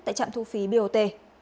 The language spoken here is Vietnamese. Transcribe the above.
tại trạm thu phí bot